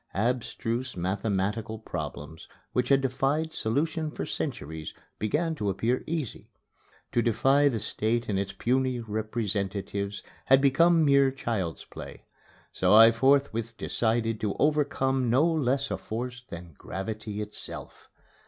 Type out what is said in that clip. Abstruse mathematical problems which had defied solution for centuries began to appear easy. To defy the State and its puny representatives had become mere child's play. So I forthwith decided to overcome no less a force than gravity itself.